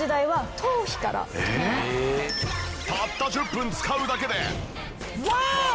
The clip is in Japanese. たった１０分使うだけでワーオ！